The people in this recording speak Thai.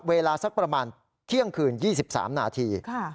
เวลาสักประมาณเที่ยงคืน๒๓นาที